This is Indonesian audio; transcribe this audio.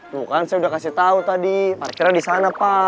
tuh kan saya udah kasih tau tadi parkirnya di sana pak